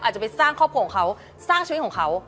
อาจจะไปสร้างครอบครัวของเขาสร้างชีวิตของเขา